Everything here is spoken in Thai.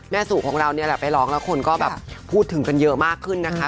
แม่สู่คุณไปร้องแล้วคนก็แบบพูดถึงกันเยอะมากขึ้นนะคะ